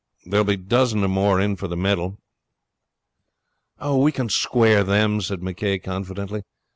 'There will be a dozen or more in for the medal.' 'We can square them,' said McCay confidently.